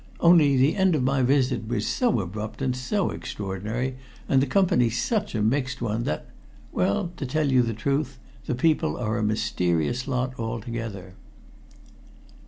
"Only the end of my visit was so abrupt and so extraordinary, and the company such a mixed one, that well, to tell you the truth, the people are a mysterious lot altogether."